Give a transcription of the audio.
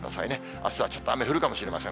あすはちょっと雨降るかもしれません。